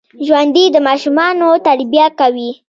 ژوندي د ماشومانو تربیه کوي